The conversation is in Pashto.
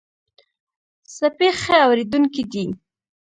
سپي ښه اورېدونکي دي.